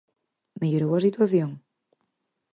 Mellorou a situación?